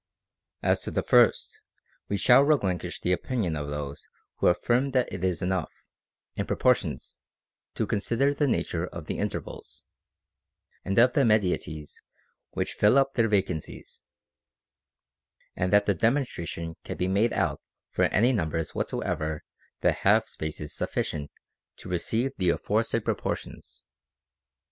30. As to the first, we shall relinquish the opinion of those who affirm that it is enough, in proportions, to con sider the nature of the intervals, and of the medieties which fill up their vacancies ; and that the demonstration can be made out for any numbers whatsoever that have spaces sufficient to receive the aforesaid proportions.